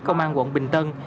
công an quận bình tân